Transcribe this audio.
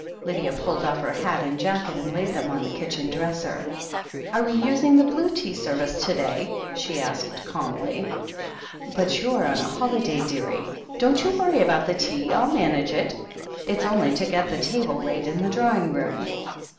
Lydia pulled off her hat and jacket and laid them on the kitchen dresser. "Are we using the blue tea service to day?" she asked calmly. "But you're on a holiday, dearie ! Don't you worry THE HEEL OF ACHILLES 205 about the tea — I'll manage it. It's only to get the table laid in the drawing room."